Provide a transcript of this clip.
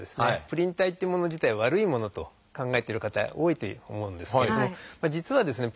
プリン体っていうもの自体悪いものと考えてる方多いと思うんですけれども実はですね